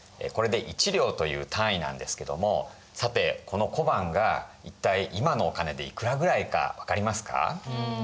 これで１両という単位なんですけどもさてこの小判が一体今のお金でいくらぐらいか分かりますか？